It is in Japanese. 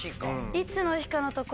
「いつの日か」のとこ